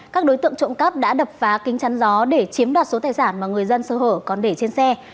các đối tượng trộm cắp đã đập phá kính chăn gió để chiếm đoạt số tài sản mà người dân sơ hở còn để trên xe